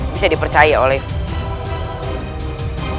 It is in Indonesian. bisa dipercaya olehmu